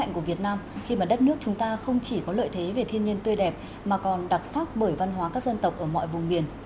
chúng ta không chỉ có lợi thế về thiên nhiên tươi đẹp mà còn đặc sắc bởi văn hóa các dân tộc ở mọi vùng miền